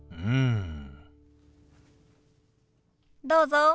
どうぞ。